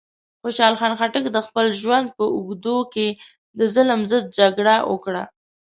خوشحال خان خټک د خپل ژوند په اوږدو کې د ظلم ضد جګړه وکړه.